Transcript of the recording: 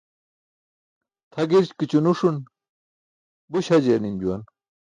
Tʰa gi̇rki̇ćo nuṣun buś hajiyar nim juwan.